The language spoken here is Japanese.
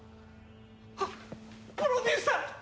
あっプロデューサー！